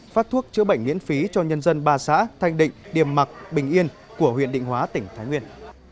phát thuốc chữa bệnh miễn phí cho nhân dân ba xã thanh định điềm mạc bình yên của huyện định hóa tỉnh thái nguyên